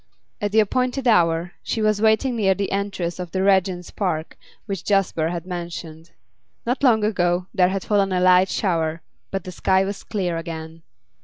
At the appointed hour she was waiting near the entrance of Regent's Park which Jasper had mentioned. Not long ago there had fallen a light shower, but the sky was clear again.